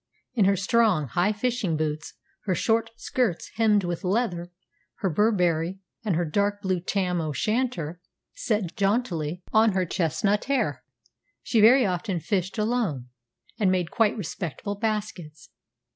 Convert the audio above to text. In her strong, high fishing boots, her short skirts hemmed with leather, her burberry, and her dark blue tam o' shanter set jauntily on her chestnut hair, she very often fished alone, and made quite respectable baskets.